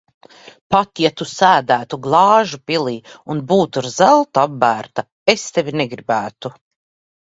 Pat ja Tu sēdētu glāžu pilī un būtu ar zeltu apbērta, es tevi negribētu.